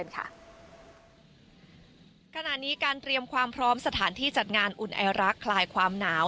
ขณะนี้การเตรียมความพร้อมสถานที่จัดงานอุ่นไอรักษ์คลายความหนาว